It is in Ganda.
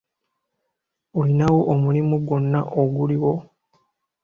Olinawo omulimu gwonna oguliwo?